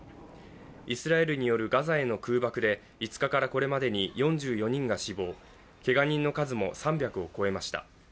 イスラエルによるガザへの空爆で５日からこれまでに４４人が死亡、けが人の数も３００を超えました。